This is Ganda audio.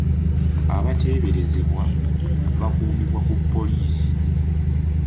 Abateeberezebwa bakuumibwa ku poliisi.